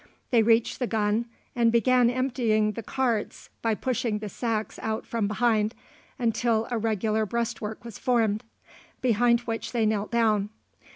They reached the gun, and began emptying the carts by pushing the sacks out from behind, until a regular breastwork was formed, behind which they knelt down.